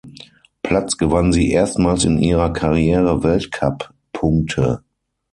Platz gewann sie erstmals in ihrer Karriere Weltcuppunkte.